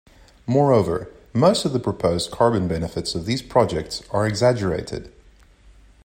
Moreover, most of the proposed carbon benefits of these projects are exaggerated.